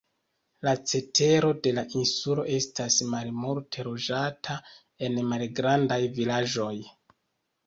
La cetero de la insulo estas malmulte loĝata en malgrandaj vilaĝoj.